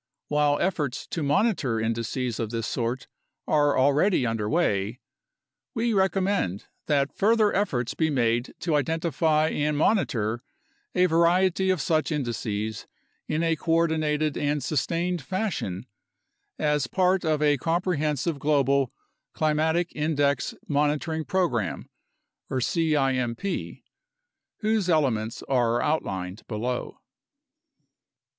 While efforts to monitor indices of this sort are already under way, we recom mend that further efforts be made to identify and monitor a variety of such indices in a coordinated and sustained fashion, as part of a compre hensive global Climatic Index Monitoring Program (cimp) whose elements are outlined below.